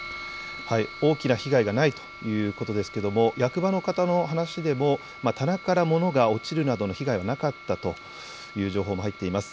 大きな被害がないということですけれども役場の方の話でも棚から物が落ちるなどの被害はなかったという情報も入っています。